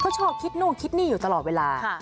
เขาชอบคิดนู่นคิดนี่อยู่ตลอดเวลา